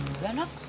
gak juga nak